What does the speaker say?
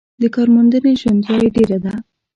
د کارموندنې شونتیا یې ډېره ده.